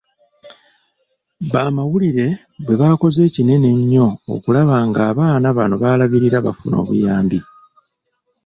Bamawulire bwe bakoze ekinene ennyo okulaba ng'abaana bano b'alabirira bafuna obuyambi.